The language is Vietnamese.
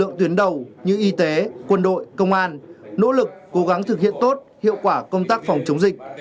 lực lượng tuyến đầu như y tế quân đội công an nỗ lực cố gắng thực hiện tốt hiệu quả công tác phòng chống dịch